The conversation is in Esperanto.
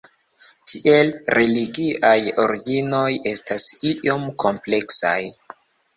Tiel, religiaj originoj estas iom kompleksaj.